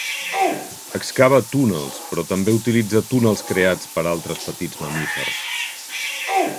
Excava túnels, però també utilitza túnels creats per altres petits mamífers.